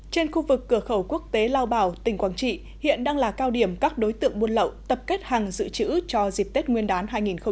trên khu vực cửa khẩu quốc tế lao bảo tỉnh quảng trị hiện đang là cao điểm các đối tượng buôn lậu tập kết hàng dự trữ cho dịp tết nguyên đán hai nghìn hai mươi